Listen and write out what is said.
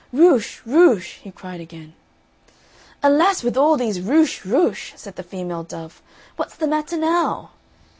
"Rucche, rucche!" he cried again. "Alas, with all these RUCCHE, RUCCHE," said the female dove, "what's the matter now?"